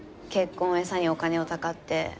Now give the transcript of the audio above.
結婚を餌にお金をたかって。